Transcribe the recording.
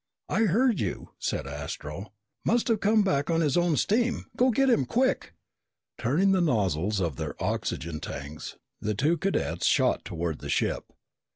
"I heard you!" said Astro. "Must've come back on his own steam. Go get him, quick!" Turning the nozzles of their oxygen tanks, the two cadets shot toward the ship.